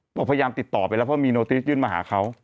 บอกพยายามติดต่อไปแล้วเพราะมีโนติสยื่นมาหาเขา